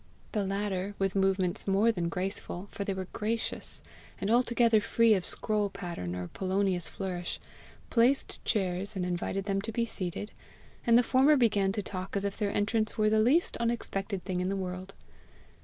The latter, with movements more than graceful, for they were gracious, and altogether free of scroll pattern or Polonius flourish, placed chairs, and invited them to be seated, and the former began to talk as if their entrance were the least unexpected thing in the world.